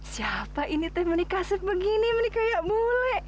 siapa ini teh menikah seperti ini menikah seperti bule